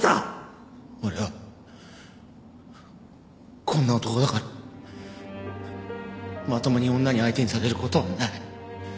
俺はこんな男だからまともに女に相手にされる事はない。